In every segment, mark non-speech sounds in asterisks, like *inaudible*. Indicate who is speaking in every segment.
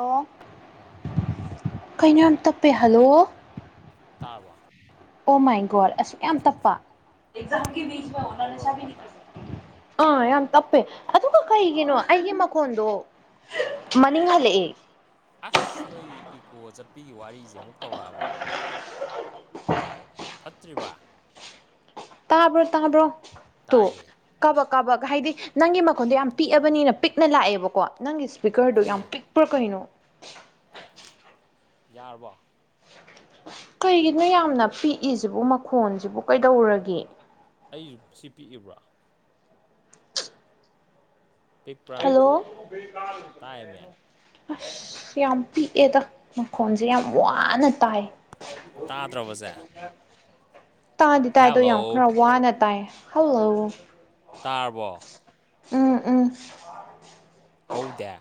Speaker 1: ꯑꯣ
Speaker 2: ꯑꯥ
Speaker 1: ꯀꯩꯅꯣ ꯌꯥꯝ ꯇꯞꯄꯦ ꯍꯜꯂꯣ
Speaker 2: ꯇꯥꯔꯕꯣ
Speaker 1: ꯑꯣ ꯃꯥꯏ ꯒꯣꯗ ꯑꯁꯨꯛ ꯌꯥꯝ ꯇꯞꯄ
Speaker 2: ꯍꯧ ꯍꯧꯔꯕ ꯑꯃꯨꯛꯀ
Speaker 1: ꯑꯥ ꯌꯥꯝ ꯇꯞꯄꯦ ꯑꯗꯨꯒ ꯀꯩꯒꯤꯅꯣ ꯑꯩꯒꯤ ꯃꯈꯣꯟꯗꯣ ꯃꯅꯤꯡ ꯍꯜꯂꯛꯑꯦ
Speaker 2: ꯑꯁ ꯅꯣꯏ ꯏꯀꯣ ꯆꯠꯄꯤꯒꯤ ꯋꯥꯔꯤꯖꯦ ꯑꯃꯨꯛ ꯇꯧꯔꯛꯑꯕ꯭ꯔꯥ ꯐꯠꯇ꯭ꯔꯤꯕ
Speaker 1: ꯇꯥꯕ꯭ꯔꯣ ꯇꯥꯕ꯭ꯔꯣ ꯇꯣ
Speaker 2: ꯇꯥꯏꯌꯦ
Speaker 1: ꯀꯥꯕꯛ ꯀꯥꯕꯛ ꯍꯥꯏꯗꯤ ꯅꯪꯒꯤ ꯃꯈꯣꯟꯗꯣ ꯌꯥꯝ ꯄꯤꯛꯑꯕꯅꯤꯅ ꯄꯤꯛꯅ ꯂꯥꯛꯑꯦꯕꯀꯣ ꯅꯪꯒꯤ ꯁ꯭ꯄꯤꯀꯔꯗꯣ ꯌꯥꯝ
Speaker 2: ꯁꯤꯗꯤ
Speaker 1: ꯄꯤꯛꯄ꯭ꯔꯥ ꯀꯩꯅꯣ
Speaker 2: ꯌꯥꯔꯕꯣ
Speaker 1: ꯀꯩꯒꯤꯅꯣ ꯌꯥꯝꯅ ꯄꯤꯛꯏꯖꯤꯕꯨ ꯃꯈꯣꯟꯖꯤꯕꯨ ꯀꯩꯗꯧꯔꯒꯦ
Speaker 2: ꯑꯩꯒꯤꯖꯨ ꯁꯤ ꯄꯤꯛꯏꯕ꯭ꯔꯥ ꯄꯤꯛꯄ꯭ꯔꯥꯃꯤꯁꯦ
Speaker 1: ꯍꯜꯂꯣ
Speaker 2: ꯇꯥꯏꯌꯦꯃꯤ
Speaker 1: ꯑꯁ ꯌꯥꯝ ꯄꯤꯛꯑꯦꯗ ꯃꯈꯣꯟꯖꯦ ꯌꯥꯝ ꯋꯥꯅ ꯇꯥꯏ
Speaker 2: ꯇꯥꯗ꯭ꯔꯕꯣꯖꯦ
Speaker 1: ꯇꯥꯗꯤ ꯇꯥꯏ ꯑꯗꯣ ꯌꯥꯝ ꯈꯔ ꯋꯥꯅ ꯇꯥꯏ ꯍꯜꯂꯣ
Speaker 2: ꯇꯥꯔꯕꯣ
Speaker 1: ꯎꯝ ꯎꯝ
Speaker 2: ꯍꯧꯗꯦ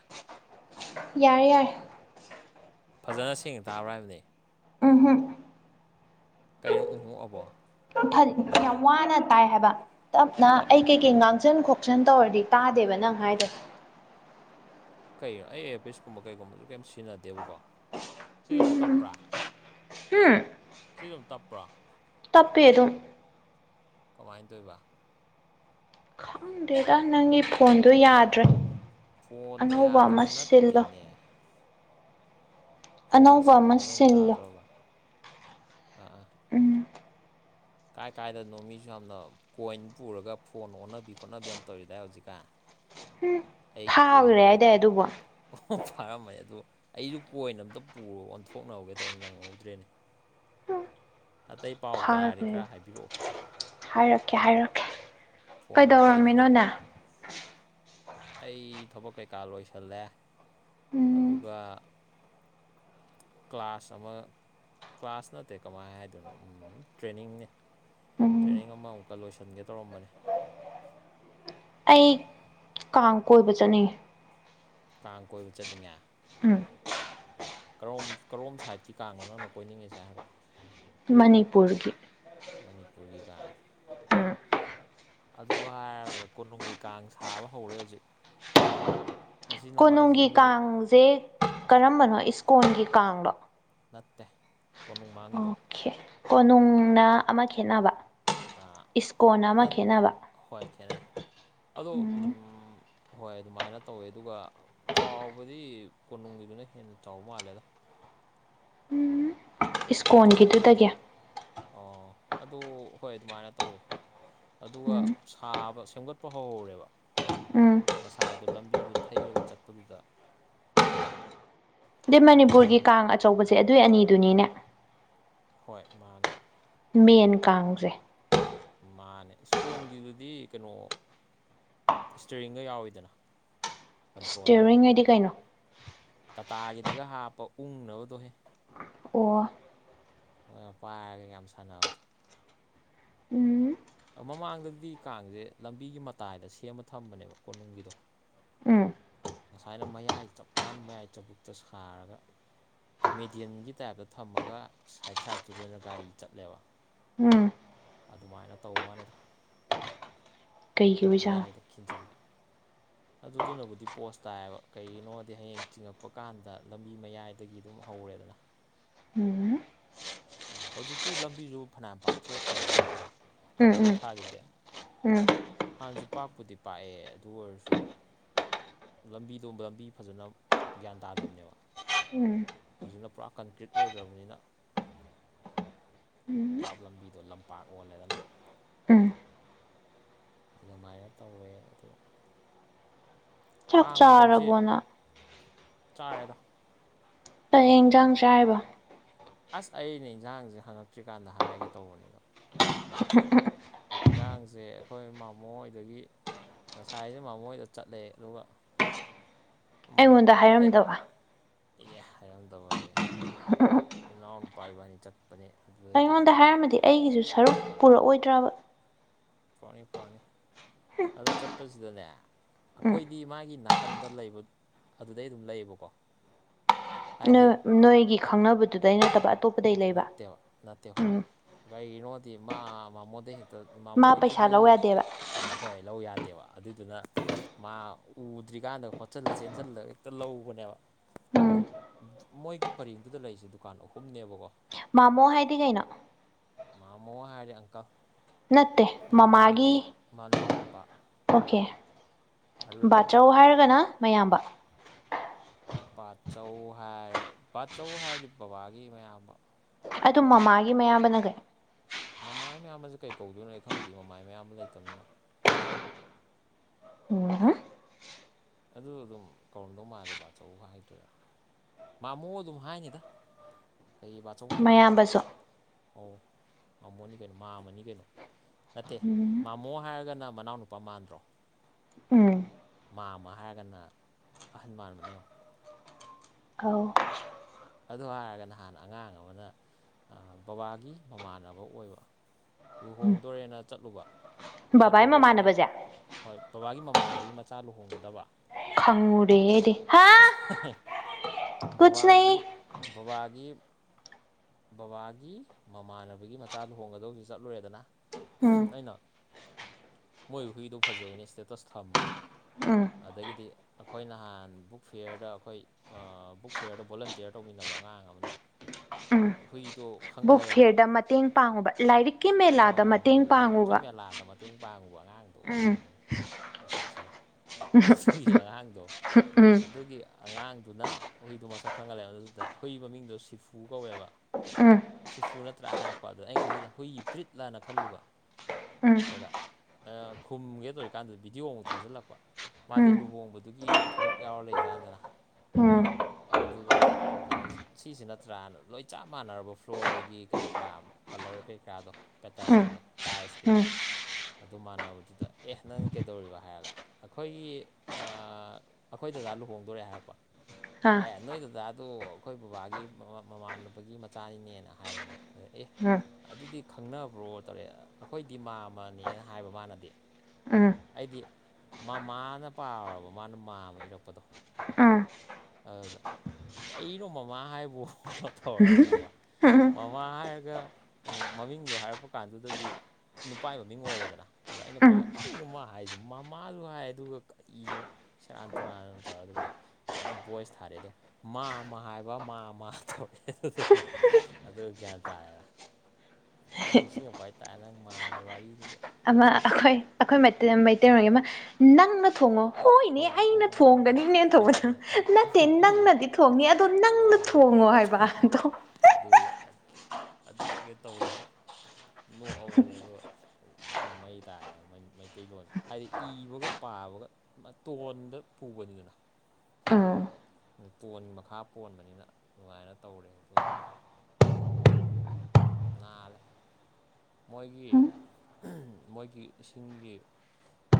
Speaker 1: ꯌꯥꯔꯦ ꯌꯥꯔꯦ
Speaker 2: ꯐꯖꯅ ꯁꯦꯡꯅ ꯇꯥꯕ꯭ꯔꯥ ꯍꯥꯏꯕꯅꯦ
Speaker 1: ꯎꯝ ꯍꯝ
Speaker 2: ꯀꯩꯅꯣ ꯎꯍꯨꯛ ꯑꯕꯣ?
Speaker 1: ꯊꯟ ꯌꯥꯝ ꯋꯥꯅ ꯇꯥꯏ ꯍꯥꯏꯕ ꯇꯞꯅ
Speaker 2: ꯋꯥ
Speaker 1: ꯑꯩ ꯀꯩꯀꯩ
Speaker 2: ꯑꯣ
Speaker 1: ꯉꯥꯡꯖꯟ ꯈꯣ ꯁꯟ ꯇꯧꯔꯗꯤ ꯇꯥꯗꯦꯕ ꯅꯪ ꯍꯥꯏꯗꯣ ꯫
Speaker 2: ꯀꯩꯒꯤꯅꯣ ꯑꯩ ꯑꯦꯌꯔꯄꯤꯁ ꯀꯨꯝꯕ ꯀꯩꯒꯨꯝꯕꯁꯨ ꯀꯩꯝ ꯁꯤꯖꯤꯟꯅꯗꯦꯕꯀꯣ ꯁꯤꯖꯨ ꯑꯗꯨꯝ
Speaker 1: ꯎꯝ
Speaker 2: ꯇꯞꯄ꯭ꯔꯥ?
Speaker 1: ꯍꯨꯝ
Speaker 2: ꯁꯤꯖꯨ ꯑꯗꯨꯝ ꯇꯞꯄ꯭ꯔꯥ?
Speaker 1: ꯇꯞꯄꯦ ꯑꯗꯨꯝ ꯫
Speaker 2: ꯀꯃꯥꯏꯅ ꯇꯧꯔꯤꯕ?
Speaker 1: ꯗꯦꯗꯥ ꯅꯪꯒꯤ ꯐꯣꯟꯗꯣ ꯌꯥꯗ꯭ꯔꯦ
Speaker 2: ꯐꯣꯟꯅ
Speaker 1: ꯑꯅꯧꯕ ꯑꯃ
Speaker 2: ꯌꯥꯗꯕ
Speaker 1: ꯁꯤꯜꯂꯣ ꯫
Speaker 2: ꯅꯠꯇꯦꯅꯦ ꯐꯣꯟ
Speaker 1: ꯑꯅꯧꯕ ꯑꯃ
Speaker 2: ꯁꯤꯟꯕꯗ ꯑꯃꯨꯛ
Speaker 1: ꯁꯤꯜꯂꯣ
Speaker 2: ꯇꯥꯗ‌ꯣꯔꯕ ꯑꯥ ꯑꯥ ꯫
Speaker 1: ꯎꯝ
Speaker 2: ꯀꯥꯏ ꯀꯥꯏꯗꯅꯣ ꯃꯤꯁꯨ ꯌꯥꯝꯅ ꯀꯣꯏꯟ ꯄꯨꯔꯒ ꯐꯣꯟ ꯑꯣꯟꯅꯕꯤ ꯈꯣꯠꯅꯕꯤ ꯌꯥꯝ ꯇꯧꯔꯤꯗꯥꯏ ꯍꯧꯖꯤꯛꯀꯥꯟ ꯫
Speaker 1: ꯐꯥꯒ꯭ꯔ‌ꯦ ꯍꯥꯏꯗ‌ꯥꯏ ꯑꯗꯨꯕꯨ ꯫
Speaker 2: ꯑꯣ ꯐꯥꯔꯝꯃꯅꯤ ꯑꯗꯨ ꯑꯩꯁꯨ ꯀꯣꯏꯟ ꯑꯝꯇ ꯄꯨꯔꯒ ꯑꯣꯟꯊꯣꯛꯅꯕꯍꯧꯒꯦ ꯇꯧꯅꯤ ꯅꯪꯍꯧꯗ꯭ꯔꯦꯅꯦ ꯫
Speaker 1: ꯍꯨꯝ
Speaker 2: ꯇꯥꯔꯗꯤ ꯈꯔ ꯍꯥꯏꯕꯤꯔꯛꯑꯣ
Speaker 1: ꯐꯥꯒ꯭ꯔ‌ꯦ ꯍꯥꯏꯔꯀꯦ ꯍꯥꯏꯔꯀꯦ ꯫
Speaker 2: ꯐꯣꯟ ꯑꯝꯇ ꯑꯩꯁꯨ
Speaker 1: ꯀꯩꯗꯧꯔꯝꯃꯤꯅꯣ ꯅꯪ?
Speaker 2: ꯑꯩ ꯊꯕꯛ ꯀꯩꯀꯥ ꯂꯣꯏꯁꯜꯂꯦ
Speaker 1: ꯎꯝ
Speaker 2: ꯑꯗꯨꯒ ꯀ꯭ꯂꯥꯁ ꯑꯃ ꯀ꯭ꯂꯥꯁ ꯅꯠꯇꯦ ꯀꯃꯥꯏꯅ ꯍꯥꯏꯗꯣꯏꯅꯣ ꯎꯝ ꯇ꯭ꯔꯦꯅꯤꯡꯅꯦ ꯫
Speaker 1: ꯎꯝ
Speaker 2: ꯇ꯭ꯔꯦꯅꯤꯡ ꯑꯃ ꯑꯃꯨꯛꯀ ꯂꯣꯏꯁꯤꯟꯒꯦ ꯇꯧꯔꯝꯕꯅꯦ ꯫
Speaker 1: ꯑꯩ ꯀꯥꯡ ꯀꯣꯏꯕ ꯆꯠꯅꯤꯡꯉꯤ ꯫
Speaker 2: ꯀꯥꯡ ꯀꯣꯏꯕ ꯆꯠꯅꯤꯡꯉꯦ ꯫
Speaker 1: ꯎꯝ
Speaker 2: ꯀꯔꯣꯝ ꯀꯔꯣꯝ ꯁꯥꯏꯠꯀꯤ ꯀꯥꯡꯅꯣ ꯅꯪꯅ ꯀꯣꯏꯅꯤꯡꯉꯤꯁꯦ ꯍꯥꯏꯔꯛꯑꯣ ꯫
Speaker 1: ꯃꯅꯤꯄꯨꯔꯒꯤ
Speaker 2: ꯃꯅꯤꯄꯨꯔꯒꯤ ꯀꯥꯡ
Speaker 1: ꯎꯝ
Speaker 2: ꯑꯗꯨ ꯍꯥꯏꯔꯒ ꯀꯣꯅꯨꯡꯒꯤ ꯀꯥꯡ ꯁꯥꯕ ꯍꯧꯔꯦ ꯍꯧꯖꯤꯛ ꯫
Speaker 1: ꯀꯣꯅꯨꯡꯒꯤ
Speaker 2: ꯅꯨꯃꯤꯠ
Speaker 1: ꯀꯥꯡꯁꯦ ꯀꯔꯝꯕꯅꯣ ꯏꯁꯀꯣꯟꯒꯤ ꯀꯥꯡꯂ‌‌ꯣ?
Speaker 2: ꯅꯠꯇꯦ ꯀꯣꯅꯨꯡ ꯃꯥꯡꯉꯤꯗꯣ ꯫
Speaker 1: ꯀ‌ꯦ ꯀꯣꯅꯨꯡꯅ ꯑꯃ ꯈꯦꯠꯅꯕ ꯏꯁꯀꯣꯟꯅ ꯑꯃ
Speaker 2: ꯅꯠ
Speaker 1: ꯈꯦꯠꯅꯕ ꯫
Speaker 2: ꯍꯣꯏ ꯈꯦꯠꯅꯩ ꯑꯗꯣ ꯎꯝ ꯍꯣꯏ ꯑꯗꯨꯃꯥꯏꯅ ꯇꯧꯋꯦ ꯑꯗꯨꯒ ꯆꯥꯎꯕꯗꯤ ꯀꯣꯅꯨꯡꯒꯤꯗꯨꯅ ꯍꯦꯟꯅ ꯆꯥꯎꯕ ꯃꯥꯜꯂꯦꯗ ꯫
Speaker 1: ꯎꯝ
Speaker 2: ꯆꯥꯛꯀꯥꯒ
Speaker 1: ꯏꯁꯀꯣꯟꯒꯤꯗꯨꯗꯒꯤ
Speaker 2: ꯑꯣ ꯑꯗꯨ ꯍꯣꯏ ꯑꯗꯨꯃꯥꯏꯅ ꯇꯧꯋꯤ ꯫ ꯑꯗꯨꯒ
Speaker 1: ꯎꯝ
Speaker 2: ꯁꯥꯕ ꯁꯦꯝꯒꯠꯄ ꯍꯧꯍ‌ꯧꯔꯦꯕ ꯫
Speaker 1: ꯎꯝ
Speaker 2: ꯉꯁꯥꯏꯗꯣ ꯂꯝꯕꯤꯗꯨ ꯊꯩꯔꯒ ꯆꯠꯄꯗꯨꯗ
Speaker 1: ꯗꯨ ꯃꯅꯤꯄꯨꯔꯒꯤ ꯀꯥꯡ ꯑꯆꯧꯕꯁꯦ ꯑꯗꯨꯏ ꯑꯅꯤꯗꯨꯅꯤꯅꯦ ꯫
Speaker 2: ꯍꯣꯏ ꯃꯥꯅꯦ ꯫
Speaker 1: ꯃꯦꯟ ꯀꯥꯡꯁꯦ
Speaker 2: ꯃꯥꯅꯦ ꯁ꯭ꯀꯣꯟꯒꯤꯗꯨꯗꯤ ꯀꯩꯅꯣ ꯏꯁ꯭ꯇꯔꯤꯡꯒ ꯌꯥꯎꯋꯤꯗꯅ ꯫ ꯀꯟꯇ꯭ꯔꯣꯂꯔꯗꯣ
Speaker 1: ꯁ꯭ꯇꯤꯌꯔꯤꯡ ꯍꯥꯏꯗꯤ ꯀꯩꯅꯣ
Speaker 2: ꯇꯥꯇꯥꯒꯤꯗꯒ ꯍꯥꯞꯄ ꯎꯪꯅꯕꯗꯣꯍꯦ ꯫
Speaker 1: ꯑꯣ
Speaker 2: ꯅ‌ꯣꯏ ꯄꯥꯏꯔꯒ ꯌꯥꯝ ꯁꯥꯟꯅꯕꯗꯣ ꯫
Speaker 1: ꯎꯝ
Speaker 2: ꯃꯃꯥꯡꯗꯗꯤ ꯀꯥꯡꯁꯦ ꯂꯝꯕꯤꯒꯤ ꯃꯇꯥꯏꯗ ꯁꯦꯝꯃ ꯊꯝꯕꯅꯦꯕ ꯀꯣꯅꯨꯡꯒꯤꯗꯣ ꯫
Speaker 1: ꯎꯝ
Speaker 2: ꯉꯁꯥꯏꯅ ꯃꯌꯥꯏ ꯆꯞ ꯆꯥꯅ ꯃꯌꯥꯏ ꯆꯕꯨꯛꯇ ꯁꯥꯔꯒ ꯃꯦꯗꯤꯌꯟꯒꯤ ꯇꯥꯏꯞꯇ ꯊꯝꯃꯒ ꯁꯥꯏꯠ ꯁꯥꯏꯗꯠꯇꯨꯗ ꯑꯣꯏꯅ ꯒꯥꯔꯤ ꯆꯠꯂꯦꯕ ꯫
Speaker 1: ꯎꯝ
Speaker 2: ꯑꯗꯨꯃꯥꯏꯅ ꯇꯧꯕ ꯋꯥꯅꯤꯗ
Speaker 1: ꯀꯩꯒꯤ ꯑꯣꯏꯖꯥꯠꯅꯣ
Speaker 2: ꯃꯌꯥꯏꯗ ꯫ ꯈꯤꯟꯖꯜꯂꯥ
Speaker 1: *inaudible*
Speaker 2: ꯑꯗꯨꯗꯨꯅꯕꯨꯗꯤ ꯄꯣꯁ ꯇꯥꯏꯌꯦꯕ ꯀꯩꯒꯤꯅꯣꯗꯤ ꯍꯌꯦꯡ ꯆꯤꯡꯉꯛꯄ ꯀꯥꯟꯗ ꯂꯝꯕꯤ ꯃꯌꯥꯏꯗꯒꯤ ꯑꯗꯨꯝ ꯍꯧꯔꯦꯗꯅ
Speaker 1: ꯎꯝ
Speaker 2: ꯍꯧꯖꯤꯛꯇꯤ ꯂꯝꯕꯤꯁꯨ ꯐꯅꯌꯥꯝ ꯄꯥꯛꯊꯣꯛꯈ꯭ꯔꯦꯗꯅ ꯑꯃꯨꯛꯀ
Speaker 1: ꯎꯝ
Speaker 2: ꯀꯟꯀ꯭ꯔꯤꯠ
Speaker 1: ꯎꯝ
Speaker 2: ꯊꯥꯒꯤꯕꯗꯒꯤ
Speaker 1: ꯎꯝ
Speaker 2: ꯍꯥꯟꯅꯁꯨ ꯄꯥꯛꯄꯨꯗꯤ ꯄꯥꯛꯑꯦ ꯑꯗꯨ ꯑꯣꯏꯔꯁꯨ ꯂꯝꯕꯤꯗꯣꯕ ꯂꯝꯕꯤ ꯐꯖꯅ ꯒ꯭ꯌꯥꯟ ꯇꯥꯗꯕꯅꯦꯕ
Speaker 1: ꯎꯝ
Speaker 2: ꯍꯧꯖꯤꯛꯅ ꯄꯨꯔꯥ ꯀꯟꯀ꯭ꯔꯤꯠ ꯑꯣꯏꯒ꯭ꯔꯕꯅꯤꯅ
Speaker 1: ꯎꯝ
Speaker 2: ꯀ꯭ꯂꯥꯎꯠ ꯂꯝꯕꯤꯗꯣ ꯂꯝꯄꯥꯛ ꯑꯣꯜꯂꯦꯗꯅ
Speaker 1: ꯎꯝ
Speaker 2: ꯑꯗꯨꯃꯥꯏꯅ ꯇꯧꯋꯦ ꯑꯗꯣ
Speaker 1: ꯆꯥꯛ
Speaker 2: ꯀꯥꯡ ꯃꯇꯝꯁꯤ
Speaker 1: ꯆꯥꯔꯕꯣꯅ
Speaker 2: ꯆꯥꯛ ꯆꯥꯔꯕ‌ꯣ ꯆꯥꯔꯦꯗ
Speaker 1: ꯀꯩ ꯍꯤꯟꯖꯥꯡ ꯆꯥꯔꯤꯕꯣ
Speaker 2: ꯑꯁ ꯑꯩꯅ ꯍꯤꯟꯖꯥꯡꯁꯦ ꯍꯪꯉꯛꯇ꯭ꯔꯤꯀꯥꯟꯗ ꯍꯥꯏꯒꯦ ꯇꯧꯕꯅꯤꯗ
Speaker 1: *unintelligible*
Speaker 2: ꯍꯤꯟꯖꯥꯡꯁꯦ ꯑꯩꯈꯣꯏ ꯃꯥꯝꯃꯣꯍ‌ꯣꯏꯗꯒꯤ ꯉꯁꯥꯏꯁ‌ꯦ ꯃꯥꯝꯃ‌ꯣꯍ‌ꯣꯏꯗ ꯆꯠꯂꯦ ꯑꯗꯨꯒ
Speaker 1: *inaudible*
Speaker 2: ꯎꯝ ꯑꯩ ꯑꯩ
Speaker 1: ꯍꯥꯏꯔꯝꯗꯕ
Speaker 2: ꯏꯌꯥꯍ ꯍꯥꯏꯔꯝꯗꯕ ꯋꯥꯅ‌ꯦ ꯏꯅꯥꯎꯅꯨꯄꯥ ꯏꯕꯥꯏꯅꯤ ꯆꯠ ꯄꯅꯦ ꯑꯗꯨ
Speaker 1: ꯑꯩꯉꯣꯟꯗ ꯍꯥꯏꯔꯝꯃꯗꯤ ꯑꯩꯒꯤꯁꯨ ꯁꯔꯨꯛ ꯄꯨꯔꯛꯑꯣꯏꯗ꯭ꯔꯥꯕ
Speaker 2: ꯄꯨꯔꯛꯅꯤ ꯄꯨꯔꯛꯅꯤ ꯑꯗꯣ ꯆꯠꯄꯁꯤꯗꯅꯦ
Speaker 1: ꯎꯝ
Speaker 2: ꯑꯩꯈꯣꯏꯗꯤ ꯃꯥꯒꯤ ꯅꯥꯀꯟꯗ ꯂꯩꯕ ꯑꯗꯨꯗꯩ ꯑꯗꯨꯝ ꯂꯩꯌꯦꯕꯀꯣ ꯍꯥꯏꯗꯤ
Speaker 1: ꯅ‌ꯣ ꯅꯣꯏꯒꯤ ꯈꯪꯅꯕꯗꯨꯗꯩ ꯅꯠꯇꯕ ꯑꯇꯣꯞꯄꯗꯩ ꯂꯩꯕ
Speaker 2: ꯅꯠꯇꯦꯕ ꯅꯠꯇꯦ ꯍꯣꯏ
Speaker 1: ꯎꯝ
Speaker 2: ꯀꯔꯤꯒꯤꯅꯣꯗꯤ ꯃꯥ ꯃꯥꯝꯃꯣꯗꯩ ꯍꯦꯛꯇ
Speaker 1: ꯃꯥ ꯄꯩꯁꯥ
Speaker 2: ꯃꯝꯃꯣꯗꯒꯤ
Speaker 1: ꯂꯧ ꯌꯥꯗꯦꯕ
Speaker 2: ꯄꯩꯁꯥ ꯂꯩ ꯌꯥꯗꯕ ꯍꯣꯏ ꯂꯧ ꯌꯥꯗꯦꯕ ꯑꯗꯨꯗꯨꯅ ꯃꯥ ꯎꯗ꯭ꯔꯤꯀꯥꯟꯗ ꯍꯣꯠꯆꯜꯂ ꯆꯦꯟꯁꯤꯜꯂꯒ ꯍꯦꯛꯇ ꯂꯧꯕꯅꯦꯕ
Speaker 1: ꯎꯝ
Speaker 2: ꯗꯨ ꯃꯣꯏꯒꯤ ꯄꯔꯦꯡꯗꯨꯗ ꯂꯩꯔꯤꯁꯦ ꯗꯨꯀꯥꯟ ꯑꯍꯨꯝꯅꯦꯕꯀꯣ
Speaker 1: ꯃꯥꯝꯃꯣ ꯍꯥꯏꯗꯤ ꯀꯩꯅꯣ
Speaker 2: ꯃꯥꯝꯃꯣ ꯍꯥꯏꯗꯤ ꯑꯪꯀꯜ ꯃꯃꯥꯒꯤ ꯃꯅꯥꯎꯅꯨꯄꯥ
Speaker 1: ꯑꯣꯀꯦ
Speaker 2: ꯑꯗꯨꯗꯣ
Speaker 1: ꯕꯥꯆꯧ ꯍꯥꯏꯔꯒꯅ ꯃꯌꯥꯝꯕ
Speaker 2: ꯕꯥꯆꯧ ꯍꯥꯏꯔ ꯕꯥꯆꯧ ꯍꯥꯏꯔꯗꯤ ꯕꯕꯥꯒꯤ ꯃꯌꯥꯝꯕ
Speaker 1: ꯑꯗꯨ ꯃꯃꯥꯒꯤ ꯃꯌꯥꯝꯕꯅ ꯀꯩ
Speaker 2: ꯃꯃꯥꯒꯤ ꯃꯌꯥꯝꯕꯁ‌ꯦ ꯀꯩ ꯀꯧꯗꯣꯏꯅ‌‌ꯣ ꯑꯩ ꯈꯪꯗꯤꯌ‌ꯦ ꯃꯃꯥꯒꯤ ꯃꯌꯥꯝꯕ ꯂꯩꯇꯕꯅꯤꯅ
Speaker 1: ꯎꯝ ꯍꯥ
Speaker 2: ꯑꯗꯨ ꯑꯗꯨꯝ ꯀꯧꯔꯝꯗꯧ ꯃꯥꯜꯂꯦꯕ ꯕꯥꯆꯧ ꯍꯥꯏꯗꯣꯏꯔꯥ ꯃꯥꯝꯃ‌ꯣ ꯑꯗꯨꯝ ꯍꯥꯏꯅꯤꯗ ꯀꯩꯒꯤ ꯕꯥꯆꯧ ꯍꯥꯏꯗꯣꯏꯅꯣ
Speaker 1: ꯃꯌꯥꯝꯕꯁꯨ
Speaker 2: ꯑꯧ ꯃꯥꯝꯃ‌ꯣꯅꯤ ꯀꯩꯅꯣ ꯃꯥꯝꯃꯅꯤ ꯀꯩꯅꯣ ꯅꯠꯇꯦ
Speaker 1: ꯎꯝ
Speaker 2: ꯃꯥꯝꯃꯣ ꯍꯥꯏꯔꯒꯅ ꯃꯅꯥꯎꯅꯨꯄꯥ ꯃꯥꯟꯗ꯭ꯔꯣ
Speaker 1: ꯎꯝ
Speaker 2: ꯃꯥꯝꯃ ꯍꯥꯏꯔꯒꯅ ꯑꯍꯟ ꯃꯥꯟꯕꯅꯦ ꯌ‌ꯦꯡꯉ‌ꯣ
Speaker 1: ꯑꯧ
Speaker 2: ꯑꯗꯨ ꯍꯥꯏꯔꯒꯅ ꯅꯍꯥꯟ ꯑꯉꯥꯡ ꯑꯃꯅ ꯑꯥ ꯕꯕꯥꯒꯤ ꯃꯃꯥꯟꯅꯕ ꯑꯣꯏꯕ
Speaker 1: ꯎꯝ
Speaker 2: ꯂꯨꯍꯣꯡꯗꯣꯔꯦꯅ ꯆꯠꯂꯨꯕ
Speaker 1: ꯕꯕꯥꯏ
Speaker 2: ꯆꯠꯂꯨꯕꯁꯤꯗ
Speaker 1: ꯃꯃꯥꯟꯅꯕꯁꯦ
Speaker 2: ꯍꯣꯏ ꯕꯕꯥꯒꯤ ꯃꯃꯥꯟꯅꯕꯒꯤ ꯃꯆꯥ ꯂꯨꯍꯣꯡꯒꯗꯕ
Speaker 1: ꯈꯪꯉꯨꯔꯦ ꯑꯩꯗꯤ ꯍꯥ ꯀꯨꯆ
Speaker 2: ꯕꯕꯥꯒꯤ
Speaker 1: ꯅꯍꯤ
Speaker 2: ꯕꯕꯥꯒꯤ ꯕꯕꯥꯒꯤ ꯃꯃꯥꯟꯅꯕꯒꯤ ꯃꯆꯥ ꯂꯨꯍꯣꯡꯒꯗꯧꯁꯤ ꯆꯠꯂꯨꯔꯦꯗꯅ꯫
Speaker 1: ꯎꯝ
Speaker 2: ꯑꯩꯅ ꯃꯣꯏ ꯍꯨꯏꯗꯨꯣ ꯐꯖꯩꯩꯅ ꯏꯁꯇꯦꯇꯁ ꯊꯝꯕ
Speaker 1: ꯎꯝ
Speaker 2: ꯑꯗꯒꯤꯗꯤ ꯑꯩꯈꯣꯏ ꯅꯍꯥꯟ ꯕꯨꯛ ꯐꯤꯌꯔꯗ ꯑꯩꯈꯣꯏ ꯕꯨꯛ ꯐꯤꯌꯔꯗ ꯕꯣꯂꯟꯇꯤꯌꯔ ꯇꯧꯃꯤꯟꯅꯕ ꯑꯉꯥꯡ ꯑꯃꯅ
Speaker 1: ꯎꯝ
Speaker 2: ꯍꯨꯏꯗꯣ ꯈꯪꯉ
Speaker 1: ꯕꯨꯛ
Speaker 2: ꯂꯩꯔꯝꯕ
Speaker 1: ꯐꯤꯌꯔꯗ ꯃꯇꯦꯡ ꯄꯥꯡꯉꯨꯕ ꯂꯥꯏꯔꯤꯛꯀꯤ
Speaker 2: ꯍꯣꯏ
Speaker 1: ꯃꯦꯂꯥꯗ
Speaker 2: ꯍꯣꯏ ꯍꯣꯏ
Speaker 1: ꯃꯇꯦꯡ
Speaker 2: ꯂꯥꯏꯔꯤꯛꯀꯤ
Speaker 1: ꯄꯥꯡꯉꯨꯕ
Speaker 2: ꯃꯦꯂꯥꯗ ꯃꯇꯦꯡ ꯄꯥꯡꯉꯨꯕ ꯑꯉꯥꯡꯅꯤ꯫
Speaker 1: ꯎꯝ꯫
Speaker 2: ꯃꯁꯛꯁꯤꯒ ꯑꯗꯨꯒꯤ ꯑꯉꯥꯡꯗꯣ
Speaker 1: ꯎꯝ
Speaker 2: ꯑꯗꯨꯒꯤ ꯑꯉꯥꯡꯗꯨꯅ ꯍꯨꯏꯗꯣ ꯃꯁꯛ ꯈꯪꯉ ꯂꯩꯔꯝꯕꯗꯨꯗ ꯍꯨꯏ ꯃꯃꯤꯡꯗꯣ ꯁꯤꯐꯨ ꯀꯧꯋꯦꯕ꯫
Speaker 1: ꯎꯝ꯫
Speaker 2: ꯁꯤꯐꯨ ꯅꯠꯇ꯭ꯔꯥ ꯍꯥꯏꯔꯛꯄ ꯑꯗꯣ ꯑꯩꯅ ꯈꯜꯂꯤꯅ ꯍꯨꯏ ꯄ꯭ꯔꯤꯠꯂꯥꯅ ꯈꯜꯂꯨꯕ꯫
Speaker 1: ꯎꯝ꯫
Speaker 2: ꯑꯗ ꯈꯨꯝꯒꯦꯗꯧꯔꯤꯀꯥꯟꯗ ꯚꯗꯤꯑꯣꯃꯨꯛ ꯊꯥꯖꯤꯜꯂꯛꯄ꯫ ꯃꯥꯗꯤ ꯂꯨꯍꯣꯡꯕꯗꯨꯒꯤ ꯊꯕꯛ ꯌꯥꯎꯔ ꯂꯩꯖꯥꯠꯗꯅ꯫
Speaker 1: ꯎꯝ꯫
Speaker 2: ꯑꯗꯨꯒ ꯁꯤꯁꯤ ꯅꯠꯇ꯭ꯔꯥꯅ ꯂꯣꯏ ꯆꯞ ꯃꯥꯟꯅꯔꯕ ꯐ꯭ꯂꯣꯔꯒꯤ ꯀꯔꯤ ꯀꯔꯥ ꯀꯂꯔ ꯀꯩꯀꯥꯗꯣ
Speaker 1: ꯎꯝ
Speaker 2: ꯄꯦꯇꯔꯟꯗꯣ ꯇꯥꯏꯜꯁꯀꯤ
Speaker 1: ꯎꯝ ꯎꯝ
Speaker 2: ꯑꯗꯨ ꯃꯥꯟꯅꯕꯗꯨꯗ ꯑꯦꯍ ꯅꯪ ꯀꯩꯗꯧꯔꯤꯕ ꯍꯥꯏꯔꯒ ꯑꯩꯈꯣꯏꯒꯤ ꯑꯩꯈꯣꯏ ꯗꯗꯥ ꯂꯨꯍꯣꯡꯗꯣꯔꯦ ꯍꯥꯏꯔꯛꯄ,
Speaker 1: ꯑꯥ
Speaker 2: ꯑꯦ ꯅꯣꯏꯗꯗꯥ ꯑꯗꯨ ꯑꯩꯈꯣꯏ ꯕꯕꯥꯒꯤ ꯃꯃꯥꯟ ꯒꯤ ꯃꯆꯥꯅꯤꯅꯦꯅ ꯍꯥꯏꯔꯦꯅ ꯑꯗ ꯑꯦ
Speaker 1: ꯎꯝ
Speaker 2: ꯑꯗꯨꯗꯤ ꯈꯪꯅꯕ꯭ꯔꯣ ꯇꯧꯔꯦ ꯑꯩꯈꯣꯏꯗꯤ ꯃꯥꯝꯃꯅꯦꯅ ꯍꯥꯏꯕ ꯃꯥꯅꯗꯤ ꯑꯩꯗꯤ ꯃꯃꯥꯅ ꯄꯥꯔꯨꯔꯕ ꯃꯥꯅ ꯃꯥꯝꯃ ꯏꯔꯛꯄꯗꯣ
Speaker 1: ꯎꯝ
Speaker 2: ꯑꯗꯨꯗ ꯀꯩꯅꯣ ꯃꯃꯥ ꯍꯥꯏꯕꯨ ꯀꯩꯅꯣ ꯇꯧꯔꯕ ꯈꯪꯕ꯭ꯔꯥ
Speaker 1: ꯎꯝ ꯎꯝ
Speaker 2: ꯃꯃꯥ ꯍꯥꯏꯔꯒ ꯃꯃꯤꯡꯗꯣ ꯍꯥꯏꯔꯛꯄ ꯀꯥꯟꯗꯨꯗꯗꯤ ꯅꯨꯄꯥꯏ ꯃꯃꯤꯡ ꯑꯣꯏꯔꯦꯗꯅ ꯑꯗ ꯑꯩꯅ
Speaker 1: ꯎꯝ
Speaker 2: ꯄꯥꯏ ꯀꯔꯤꯅꯣ ꯃꯥ ꯍꯥꯏꯁꯨ ꯃꯃꯥꯁꯨ ꯍꯥꯏ ꯑꯗꯨꯒ ꯏꯅꯣ ꯁꯔꯥꯟ ꯇꯨꯔꯥꯟ ꯇꯧꯔ ꯑꯗꯨꯒꯒꯗꯤ ꯀꯣꯟꯅ ꯚꯣꯏꯁ ꯊꯥꯔꯛꯑꯦ ꯑꯗꯣ ꯃꯥꯝꯃ ꯍꯥꯏꯕ ꯃꯥꯝꯃꯥ ꯇꯧꯔꯛꯑꯦ꯫ *unintelligible* ꯑꯗꯨ ꯒ꯭ꯌꯥꯟ ꯇꯥꯥꯔꯦꯅ꯫ ꯑꯗꯨ ꯅꯤꯡꯁꯤꯡꯉꯛꯄ ꯍꯥꯏꯇꯥꯔꯦ ꯅꯪ ꯃꯥꯝꯃꯥꯒꯤ ꯋꯥꯔꯤꯗꯨꯗ꯫
Speaker 1: ꯑꯃ ꯑꯩꯈꯣꯏ ꯑꯩꯈꯣꯏ ꯃꯩꯇꯩꯂꯣꯟꯒꯤ ꯑꯃ ꯅꯪꯅ ꯊꯣꯡꯉꯣ ꯍꯣꯏꯅꯦ
Speaker 2: ꯑꯣ ꯑꯣ
Speaker 1: ꯑꯩꯅ
Speaker 2: ꯑꯣ ꯑꯣ
Speaker 1: ꯊꯣꯡꯒꯅꯤꯅꯦ
Speaker 2: ꯑꯣ ꯎꯝ
Speaker 1: ꯊꯧꯕꯗ
Speaker 2: ꯎꯝ ꯎꯝ
Speaker 1: ꯅꯠꯇꯦ
Speaker 2: ꯎꯝ ꯎꯝ
Speaker 1: ꯅꯪꯅꯗꯤ ꯊꯣꯡꯅꯤ ꯑꯗꯣ ꯅꯪꯅ
Speaker 2: ꯍꯣꯏ ꯍꯣꯏ
Speaker 1: ꯊꯣꯡꯉꯣ ꯍꯥꯏꯕ ꯕꯗꯣ꯫
Speaker 2: ꯑꯗꯨꯗꯤ ꯑꯗꯨꯃꯛꯅꯦ ꯇꯧꯔꯤꯁꯦ ꯅꯣꯛꯑꯕꯅꯤ ꯑꯗꯨꯒ꯫ ꯄꯨꯔꯥ ꯃꯩ ꯇꯔꯦ ꯃꯩꯇꯩꯂꯣꯟꯁꯦ ꯍꯥꯏꯗꯤ ꯏꯕꯒ ꯄꯥꯕꯒ ꯃꯇꯣꯟꯗ ꯄꯨꯕꯅꯤꯗꯅ꯫
Speaker 1: ꯑꯥ꯫
Speaker 2: ꯇꯣꯟꯒꯤ ꯃꯈꯥ ꯄꯣꯟꯕꯅꯤꯅ ꯑꯗꯨꯃꯥꯏꯅ ꯇꯧꯔꯦ ꯑꯗꯨꯒ ꯅꯥꯜꯂꯦ꯫ ꯃꯣꯏꯒꯤ ꯃꯣꯏꯒꯤ ꯏꯁꯤꯡꯒꯤ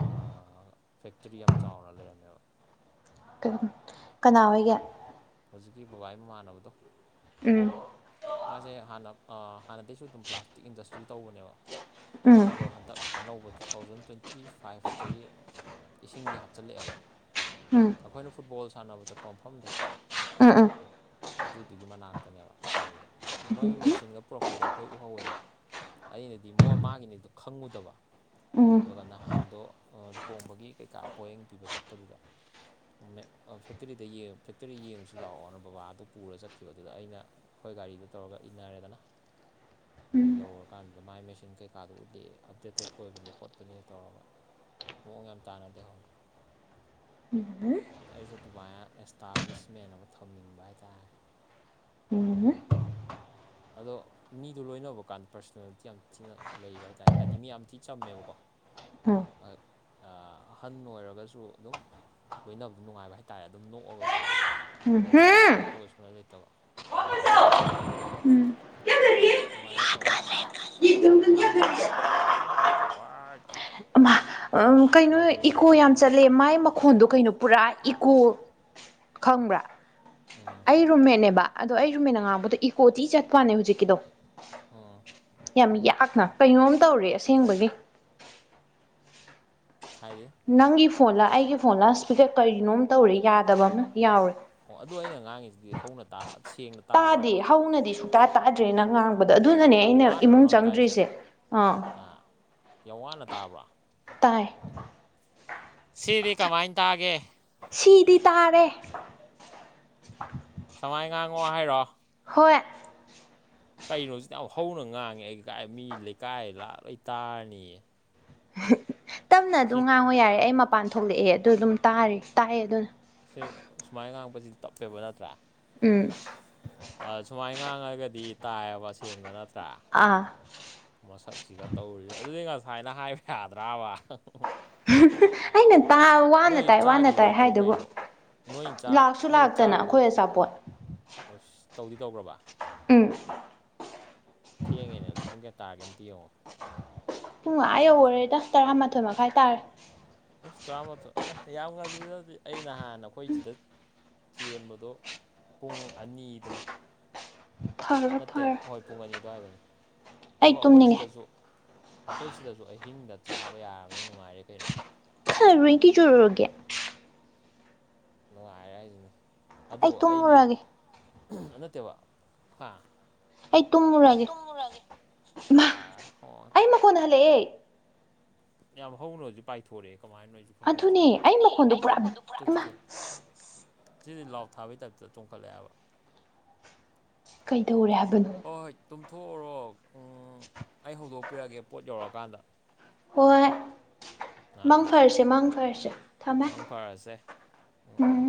Speaker 2: ꯑꯥ ꯐꯦꯛꯇ꯭ꯔꯤ ꯌꯥꯝ ꯆꯥꯎꯅ ꯂꯩꯔꯝꯃꯦꯕ꯫
Speaker 1: ꯀꯅꯥ ꯍꯣꯏꯒꯤ꯫
Speaker 2: ꯍꯧꯖꯤꯛꯀꯤ ꯕꯕꯥꯒꯤ ꯃꯃꯥꯟꯅꯕꯗꯣ꯫
Speaker 1: ꯎꯝ
Speaker 2: ꯃꯥꯁꯦ ꯍꯥꯟꯅ ꯑ ꯍꯥꯟꯅꯗꯩꯁꯨ ꯑꯗꯨꯝ ꯄ꯭ꯂꯥꯁꯇꯤꯛ ꯏꯟꯗꯁꯇ꯭ꯔꯤ ꯇꯧꯕꯅꯦꯕ
Speaker 1: ꯎꯝ
Speaker 2: ꯑꯗꯣ ꯍꯟꯇꯛ ꯑꯅꯧꯕ ꯇꯨ ꯊꯥꯎꯖꯟ ꯇ꯭ꯋꯦꯟꯇꯤ ꯐꯥꯏꯚꯇꯒꯤ ꯏꯁꯤꯡꯒꯤ ꯍꯥꯞꯆꯤꯜꯂꯛꯑꯦꯕ
Speaker 1: ꯎꯝ
Speaker 2: ꯑꯩꯈꯣꯏꯅ ꯐꯨꯠꯕꯣꯜ ꯁꯥꯟꯅꯕ ꯆꯠꯄ ꯃꯐꯝꯗꯣ
Speaker 1: ꯑꯃ
Speaker 2: ꯑꯗꯨꯏꯗꯨꯒꯤ ꯃꯅꯥꯛꯇꯅꯦꯕ ꯑꯗꯨꯗ ꯃꯣꯏꯒꯤ ꯃꯦꯆꯤꯟꯒ ꯄꯨꯔꯛꯄꯗꯣ ꯑꯩꯈꯣꯏ ꯎꯍꯧꯋꯦꯕ ꯑꯩꯅꯗꯤ ꯃ ꯃꯥꯒꯤꯅꯤꯗꯨ ꯈꯪꯉꯨꯗꯕ ꯑꯗꯨꯒ ꯅꯍꯥꯟꯗꯣ ꯂꯨꯍꯣꯡꯕꯒꯤ ꯀꯩꯀꯥ ꯄꯣꯌꯦꯡ ꯄꯤꯕ ꯆꯠꯄꯗꯨꯗ ꯃꯦ ꯑ ꯐꯦꯛꯇꯔꯤꯗ ꯌꯦꯡ ꯐꯦꯛꯇꯔꯤ ꯌꯦꯡꯉꯨꯁꯤ ꯂꯥꯛꯑꯣꯅ ꯕꯕꯥꯗꯨ ꯄꯨꯔ ꯆꯠꯈꯤꯕ ꯑꯗꯨꯗ ꯑꯩꯅ ꯈꯣꯏ ꯒꯥꯔꯤꯗꯨ ꯇꯧꯔꯒ ꯏꯟꯅꯔꯦꯗꯅꯥ
Speaker 1: *unintelligible*
Speaker 2: ꯑꯗꯨ ꯌꯧꯔꯀꯥꯟꯗꯨꯗ ꯃꯥꯏ ꯃꯦꯆꯤꯟ ꯀꯩꯀꯥꯗꯣ ꯎꯠꯂꯤ ꯑꯞꯗꯦꯇꯦꯠ ꯑꯣꯏꯕꯅꯤ ꯈꯣꯠꯄꯅꯦ ꯇꯧꯔꯒ ꯃꯑꯣꯡ ꯌꯥꯝ ꯇꯥꯅ ꯂꯩꯍꯧꯔꯦ
Speaker 1: ꯎꯝ
Speaker 2: ꯑꯩꯁꯨ ꯑꯗꯨꯃꯥꯏꯅ ꯑꯦꯁꯇꯥꯕ꯭ꯂꯤꯁꯃꯦꯟ ꯑꯃ ꯊꯝꯅꯤꯡꯕ ꯍꯥꯏꯇꯥꯔꯦ
Speaker 1: ꯎꯝ
Speaker 2: ꯑꯗꯣ ꯃꯤꯗꯣ ꯂꯣꯏꯅꯕ ꯀꯥꯟꯗ ꯄꯔꯁꯣꯅꯦꯂꯤꯇꯤ ꯌꯥꯝ ꯊꯤꯅ ꯂꯩꯕ ꯍꯥꯏꯇꯥꯔꯦ ꯍꯥꯏꯗꯤ ꯃꯤ ꯌꯥꯝ ꯊꯤ ꯆꯝꯃꯦꯕꯀꯣ
Speaker 1: ꯎꯝ
Speaker 2: ꯑ ꯑꯥ ꯑꯍꯟ ꯑꯣꯏꯔꯒꯁꯨ ꯑꯗꯨꯝ ꯂꯣꯏꯅꯕꯗꯣ ꯅꯨꯡꯉꯥꯏꯕ ꯍꯥꯏꯇꯥꯔꯦ ꯑꯗꯨꯝ ꯅꯣꯛꯑꯒꯀꯣ ꯍꯥꯏ ꯃꯤꯗꯣ ꯃꯨꯛꯑꯒ ꯁꯨꯂꯩ ꯂꯩꯇꯕ *unintelligible*
Speaker 1: ꯎꯝ
Speaker 2: ꯑꯗꯨꯃꯥꯏꯅ ꯇꯧꯔꯦ ꯂꯥꯡꯖꯜꯂꯦ ꯀꯅꯥ ꯋꯥꯏ
Speaker 1: ꯑꯃꯥ ꯎ ꯀꯩꯅꯣ
Speaker 2: ꯂꯥꯎꯁꯜꯂꯛꯏꯗꯣ
Speaker 1: ꯏꯀꯣ ꯌꯥꯝ
Speaker 2: ꯀꯅꯥꯅꯣ
Speaker 1: ꯆꯠꯂꯦ ꯃꯥꯏ ꯃ ꯈꯣꯟꯗꯣ ꯀꯩꯅꯣ ꯄꯨꯔꯥ ꯏꯀꯣ ꯈꯪꯕ꯭ꯔꯥ
Speaker 2: ꯎꯝ
Speaker 1: ꯑꯩ ꯔꯨꯝꯃꯦꯠꯅꯦꯕ ꯑꯗꯣ ꯑꯩ ꯔꯨꯃꯦꯟꯅ ꯉꯥꯡꯕꯗꯣ ꯏꯀꯣ ꯊꯤ ꯆꯠꯄ꯭ꯋꯥꯅꯦ ꯍꯧꯖꯤꯛꯀꯤꯗꯣ
Speaker 2: ꯑꯣ
Speaker 1: ꯌꯥꯝ ꯌꯥꯛꯅ ꯀꯩꯅꯣꯝ ꯇꯧꯔꯦ ꯑꯁꯦꯡꯕꯒꯤ
Speaker 2: ꯍꯥꯏꯌꯦ
Speaker 1: ꯅꯪꯒꯤ ꯐꯣꯟꯂꯥ ꯑꯩꯒꯤ ꯐꯣꯟꯂꯥ ꯏꯁꯄꯤꯀꯔ ꯀꯔꯤꯅꯣꯝ ꯇꯧꯔꯤ ꯌꯥꯗꯕ ꯑꯃ ꯌꯥꯎꯔꯦ
Speaker 2: ꯑꯣ ꯑꯗꯨ ꯑꯩꯅ ꯉꯥꯡꯉꯤꯁꯤꯗꯤ ꯍꯧꯅ ꯇꯥ ꯁꯦꯡꯅ ꯇꯥꯕ꯭ꯔꯕ
Speaker 1: ꯭ꯔꯦꯅ ꯉꯥꯡꯕꯗꯣ ꯑꯗꯨꯅꯅꯦ
Speaker 2: ꯌꯥꯝ
Speaker 1: ꯑꯩꯅ
Speaker 2: ꯋꯥꯅꯔꯣ
Speaker 1: ꯏꯃꯨꯡ
Speaker 2: ꯅꯪ ꯇꯥꯏꯁꯦ
Speaker 1: ꯆꯪꯗ꯭ꯔꯤꯁꯦ ꯑꯥ
Speaker 2: ꯌꯥꯝ ꯋꯥꯅ ꯇꯥꯕ꯭ꯔꯥ
Speaker 1: ꯇꯥꯏ
Speaker 2: ꯁꯤꯗꯤ ꯀꯃꯥꯏꯟ ꯇꯥꯒꯦ
Speaker 1: ꯁꯤꯗꯤ ꯇꯥꯔꯦ
Speaker 2: ꯁꯃꯥꯏ ꯉꯥꯡꯉꯣ ꯍꯥꯏꯔꯣ
Speaker 1: ꯍꯣꯏ
Speaker 2: ꯀꯩꯅꯣ ꯁꯤꯗꯤ ꯌꯥꯝ ꯍꯧꯅ ꯉꯥꯡꯉꯦ ꯑꯩ ꯀꯥꯏ ꯃꯤ ꯂꯩꯀꯥꯏ ꯂꯥꯛꯑ ꯂꯣꯏ ꯇꯥꯥꯔꯅꯤꯌꯦ
Speaker 1: ꯇꯞꯅ ꯑꯗꯨꯝ ꯉꯥꯡꯉꯣ ꯌꯥꯔꯦ ꯑꯩ ꯃꯄꯥꯟ ꯊꯣꯛꯂꯛꯑꯦ ꯑꯗꯨ ꯑꯗꯨꯝ ꯇꯥꯔꯦ ꯇꯥꯏꯑꯦ ꯑꯗꯨꯅ
Speaker 2: ꯁꯦ ꯁꯨꯃꯥꯏꯅ ꯉꯥꯡꯉꯛꯄꯁꯤꯗꯤ ꯇꯞꯄꯦꯕ ꯅꯠꯇ꯭ꯔꯥ
Speaker 1: ꯎꯝ
Speaker 2: ꯑꯥ ꯁꯨꯃꯥꯏ ꯉꯥꯡꯉꯒꯗꯤ ꯇꯥꯏꯑꯦꯕ ꯁꯦꯡꯅ ꯅꯠꯇ꯭ꯔꯥ
Speaker 1: ꯑꯥ
Speaker 2: ꯃꯁꯛꯁꯤꯒ ꯇꯧꯔꯤꯁꯦ ꯑꯗꯨꯗꯤ ꯉꯁꯥꯏꯅ ꯍꯥꯏꯕ ꯌꯥꯗ꯭ꯔꯕ
Speaker 1: ꯑꯩꯅ ꯇꯥ ꯋꯥꯅ
Speaker 2: ꯅꯣꯏ
Speaker 1: ꯇꯥꯏ ꯋꯥꯅ ꯇꯥꯏ
Speaker 2: ꯆꯥꯈꯤꯔꯣꯏꯗ꯭ꯔꯣ
Speaker 1: ꯍꯥꯏꯗꯨꯕꯨ
Speaker 2: ꯀꯩꯅꯣ ꯅꯣꯏ ꯆꯥ
Speaker 1: ꯂꯥꯛꯁꯨ ꯂꯥꯛꯇꯅ ꯑꯈꯣꯏ ꯑꯆꯥꯄꯣꯠ
Speaker 2: ꯑꯣꯁ ꯇꯧꯗꯤ ꯇꯧꯈ꯭ꯔꯕ
Speaker 1: ꯎꯝ
Speaker 2: ꯊꯦꯡꯉꯦꯅꯦ ꯍꯧꯖꯤꯛ ꯄꯨꯡ ꯀꯌꯥ ꯇꯥꯔꯒꯦ ꯑꯝꯇ ꯌꯦꯡꯉꯣ
Speaker 1: ꯄꯨꯡ ꯑꯥ ꯌꯧꯒꯔꯦꯗ ꯇꯔꯥ ꯃꯥꯊꯣꯏ ꯃꯈꯥꯏ ꯇꯥꯔꯦ
Speaker 2: ꯑꯦꯁ ꯇꯔꯥꯃꯥꯊꯣꯏ ꯑꯦ ꯌꯥꯝ ꯉꯜꯂꯤꯗ ꯗꯨꯗꯤ ꯑꯩ ꯅꯍꯥꯟ ꯑꯩꯈꯣꯏ ꯁꯤꯗ ꯆꯦꯟꯕꯗꯣ ꯄꯨꯡ ꯑꯅꯤꯗꯅꯦ
Speaker 1: ꯐꯔꯦ
Speaker 2: ꯅꯠꯇꯦ
Speaker 1: ꯐꯔꯦ
Speaker 2: ꯍꯣꯏ ꯄꯨꯡ ꯑꯅꯤ ꯑꯗꯨꯋꯥꯏꯗꯅꯦ
Speaker 1: ꯑꯩ
Speaker 2: ꯑꯈꯣ ꯑꯈꯣꯏ
Speaker 1: ꯇꯨꯝꯅꯤꯡꯉꯦ
Speaker 2: ꯁꯤꯗꯁꯨ ꯑꯈꯣꯏ ꯁꯤꯗꯁꯨ ꯑꯍꯤꯡꯗ ꯆꯥꯕ ꯌꯥꯔꯕꯅꯤꯅ ꯅꯨꯡꯉꯥꯏꯔꯦ ꯀꯩꯅꯣ
Speaker 1: ꯐꯔꯦ ꯀꯩꯗꯧꯔꯒꯦ
Speaker 2: ꯅꯨꯡꯉꯥꯏꯔꯦ ꯍꯥꯏꯁꯤꯅꯤ ꯑꯗꯣ
Speaker 1: ꯑꯩ
Speaker 2: ꯑꯩꯗꯤ
Speaker 1: ꯇꯨꯝꯃꯨꯔꯒꯦ
Speaker 2: ꯅꯠꯇꯦꯕ ꯍꯥ
Speaker 1: ꯑꯩ
Speaker 2: ꯑꯩ
Speaker 1: ꯇꯨꯝꯃꯨꯔꯒꯦ
Speaker 2: ꯇꯨꯝꯃꯨꯔꯒꯦ ꯑ ꯍꯣ
Speaker 1: ꯐꯣꯟ ꯍꯜꯂꯛꯑꯦ
Speaker 2: ꯌꯥꯝ ꯍꯧꯅ ꯍꯧꯖꯤꯛ ꯄꯥꯏꯊꯣꯔꯛꯑꯦ ꯀꯃꯥꯏꯅꯣ ꯑꯩꯁꯨ ꯈꯪꯍꯧꯗ꯭ꯔꯦ ꯗꯨꯅꯦ ꯑꯩ ꯃꯈꯣꯜꯗꯣ ꯄꯨꯔꯥ ꯇꯨ ꯇꯨ ꯇꯨ ꯏꯃꯥ ꯁꯤꯗꯤ ꯂꯥꯎ ꯊꯥꯕꯩ ꯇꯥꯏꯞꯇ ꯆꯣꯡꯈꯠꯂꯛꯑꯦꯕ
Speaker 1: ꯀꯩꯗꯧꯔꯦ ꯍꯥꯏꯕꯅꯣ
Speaker 2: ꯍꯣꯏ ꯍꯣꯏ ꯇꯨꯝꯊꯣꯛꯎꯔꯣ ꯎꯝ ꯑꯩ ꯍꯧꯗꯣꯛꯄꯤꯔꯛꯑꯒꯦ ꯄꯣꯠ ꯌꯧꯔꯛꯑꯀꯥꯟꯗ
Speaker 1: ꯍꯣꯏ ꯃꯪ ꯐꯔꯁꯦ ꯃꯪꯐꯔꯁꯦ
Speaker 2: ꯃꯡ ꯐꯔꯁꯦ ꯎꯝ ꯎꯝ